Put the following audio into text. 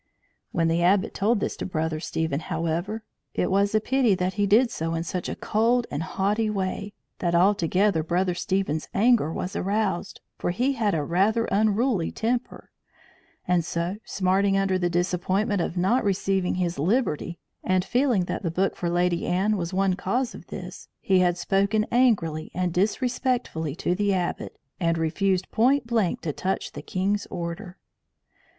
When the Abbot told this to Brother Stephen, however, it was a pity that he did so in such a cold and haughty way that altogether Brother Stephen's anger was aroused, for he had a rather unruly temper; and so, smarting under the disappointment of not receiving his liberty, and feeling that the book for Lady Anne was one cause of this, he had spoken angrily and disrespectfully to the Abbot, and refused point blank to touch the king's order.